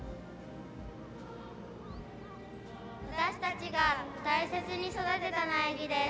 私たちが大切に育てた苗木です。